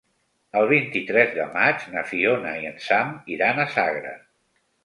El vint-i-tres de maig na Fiona i en Sam iran a Sagra.